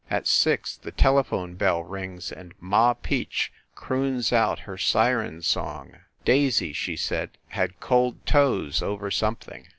At six the telephone bell rings and Ma Peach croons out her siren song. Daisy, she said, had cold toes over something.